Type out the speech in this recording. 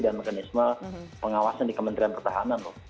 dan mekanisme pengawasan di kementerian pertahanan loh